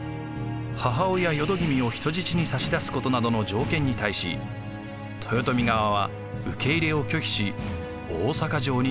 母親淀君を人質に差し出すことなどの条件に対し豊臣側は受け入れを拒否し大坂城に兵を集めます。